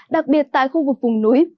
đặc biệt tại khu vực vùng núi